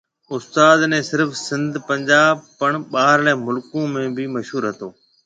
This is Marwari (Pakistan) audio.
استاد ني صرف سنڌ، پنجاب، پڻ ٻاھرلي مُلڪون ۾ بِي مشھور ھتو